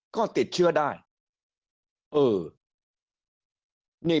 ก็ติดเชื่อได้